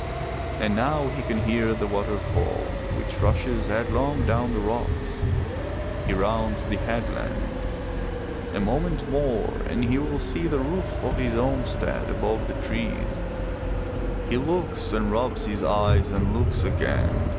And now he can hear the water fall which rushes headlong down the rocks. He rounds the headland. A moment more and he will see the roof of his home stead above the trees. He looks and rubs his eyes and looks again.